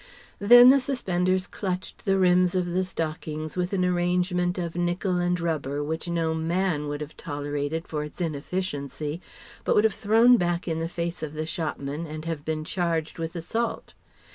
Then the suspenders clutched the rims of the stockings with an arrangement of nickel and rubber which no man would have tolerated for its inefficiency but would have thrown back in the face of the shopman and have been charged with assault.